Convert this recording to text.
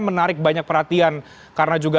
menarik banyak perhatian karena juga